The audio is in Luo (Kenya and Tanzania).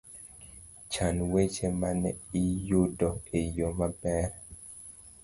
Chan weche mane iyudo e yo maber